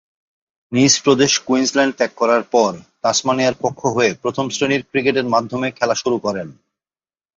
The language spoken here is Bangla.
নিজ প্রদেশ কুইন্সল্যান্ড ত্যাগ করার পর তাসমানিয়ার পক্ষ হয়ে প্রথম-শ্রেণীর ক্রিকেটের মাধ্যমে খেলা শুরু করেন।